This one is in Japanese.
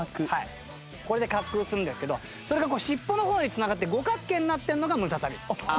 これで滑空するんですけどそれが尻尾の方に繋がって五角形になってるのがムササビ。